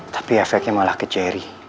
tapi efeknya malah ke jerry